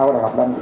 và đại học đăng ký